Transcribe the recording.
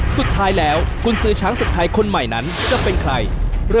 สุดท้ายแล้วคุณซื้อช้างศึกไทยคนใหม่นั้นจะเป็นใคร